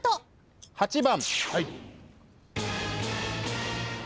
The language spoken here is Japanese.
８番。